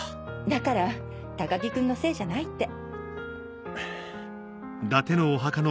だから高木君のせいじゃないって。